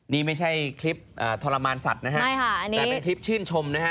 นี่ไม่ใช่คลิปทรมานสัตว์นะฮะแต่เป็นคลิปชื่นชมนะฮะ